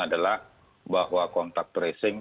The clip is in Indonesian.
adalah bahwa kontak tracing